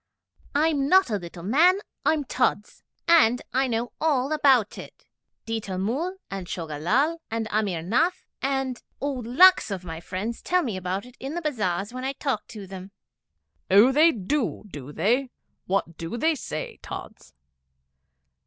'I'm not a little man, I'm Tods, and I know all about it. Ditta Mull, and Choga Lall, and Amir Nath, and oh, lakhs of my friends tell me about it in the bazars when I talk to them.' 'Oh, they do do they? What do they say, Tods?'